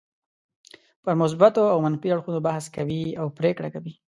پر مثبتو او منفي اړخونو بحث کوي او پرېکړه کوي.